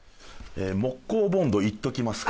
「木工ボンドいっときますか」